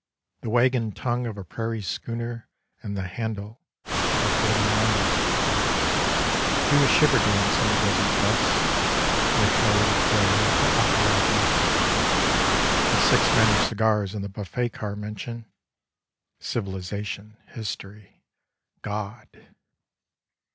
The wagon tongue of a prairie schooner And the handle of a Forty niner's pickax Slabs of the Sunburnt West 69 Do a shiver dance in the desert dust, In the coyote gray of the alkali dust. And — six men with cigars in the buffet car mention " civilization," " history," " God."